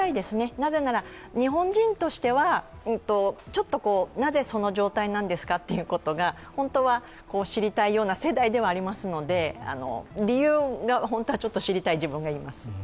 なぜなら日本人としてはなぜその状態なんですかということが、知りたい世代ではありますので理由が本当はちょっと知りたい自分がいます。